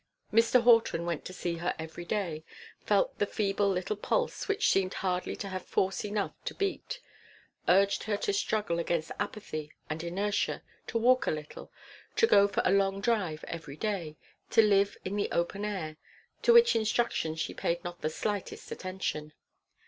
Mr. Horton went to see her every day felt the feeble little pulse which seemed hardly to have force enough to beat urged her to struggle against apathy and inertia, to walk a little, to go for a long drive every day, to live in the open air to which instructions she paid not the slightest attention.